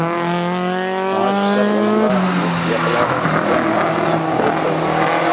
شۇڭا، كىشىلەر ئۇنىڭغا مۈشۈكياپىلاق دېگەن نامىنى قويۇپ قويغان.